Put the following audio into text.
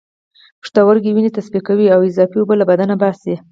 پښتورګي وینه تصفیه کوي او اضافی اوبه له بدن باسي